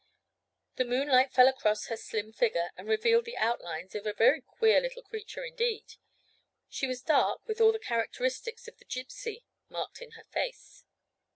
The moonlight fell across her slim figure, and revealed the outlines of a very queer little creature indeed. She was dark, with all the characteristics of the Gypsy marked in her face.